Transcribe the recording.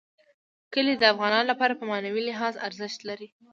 کلي د افغانانو لپاره په معنوي لحاظ ارزښت لري.